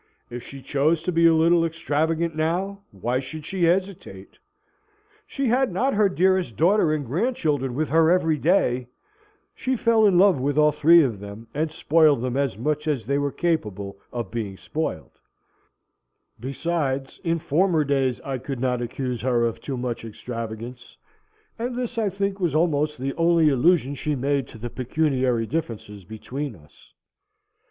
If she chose to be a little extravagant now, why should she hesitate? She had not her dearest daughter and grandchildren with her every day (she fell in love with all three of them, and spoiled them as much as they were capable of being spoiled). Besides, in former days I could not accuse her of too much extravagance, and this I think was almost the only allusion she made to the pecuniary differences between us.